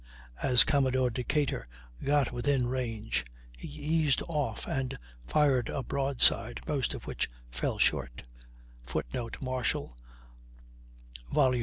As Commodore Decatur got within range, he eased off and fired a broadside, most of which fell short [Footnote: Marshall, iv, 1080.